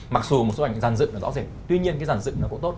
mặc dù một số ảnh dàn dựng nó rõ ràng tuy nhiên cái dàn dựng nó cũng tốt